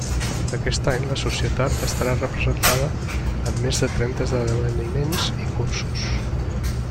Aquest any, la Societat estarà representada en més de trenta esdeveniments i cursos.